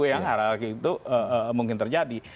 yang harap itu mungkin terjadi